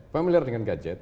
familiar dengan gadget